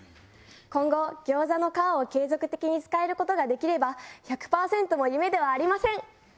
今後餃子の皮を継続的に使えることができれば１００％も夢ではありません！